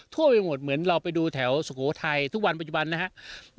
ทั่วไปหมดเหมือนเราไปดูแถวสุโขทัยทุกวันปัจจุบันนะครับ